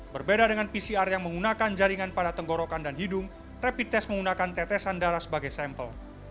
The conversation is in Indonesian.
berbeda dengan pcr yang menggunakan jaringan pada tenggorokan dan hidung rapid test menggunakan tetesan darah sebagai sampel